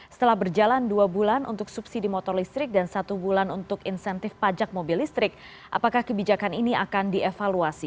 setelah berjalan dua bulan untuk subsidi motor listrik dan satu bulan untuk insentif pajak mobil listrik apakah kebijakan ini akan dievaluasi